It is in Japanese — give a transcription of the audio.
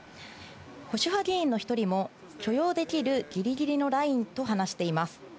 保守派議員の１人も許容できるギリギリのラインと話しています。